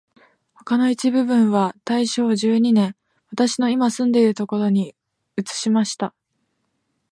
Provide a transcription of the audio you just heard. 他の一部分は大正十二年、私のいま住んでいるところに移しました